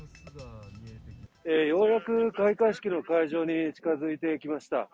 ようやく開会式の会場に近づいてきました。